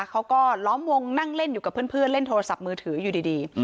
เขาก็ล้อมวงนั่งเล่นอยู่กับเพื่อนเล่นโทรศัพท์มือถืออยู่ดี